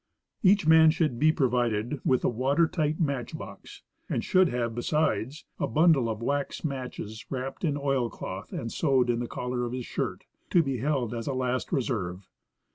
Each man should be provided with a water tight match box, and should have, besides, a bundle of wax matches wraj)ped in oil cloth and sewed in the collar of his shirt, to be held as a last reserve.